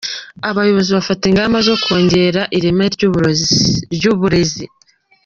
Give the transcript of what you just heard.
Abayobozi bafashe ingamba zo kongera ireme ry'uburezi.